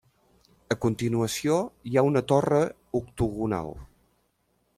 A continuació hi ha una torre octogonal.